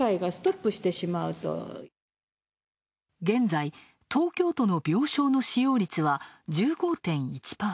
現在、東京都の病床の使用率は１５．１％。